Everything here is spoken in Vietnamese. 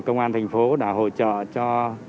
công an tp hcm đã hỗ trợ cho